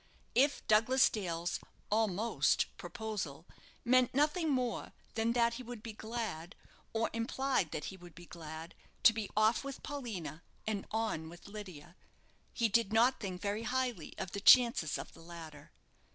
If Douglas Dale's "almost" proposal meant nothing more than that he would be glad, or implied that he would be glad to be off with Paulina and on with Lydia, he did not think very highly of the chances of the latter.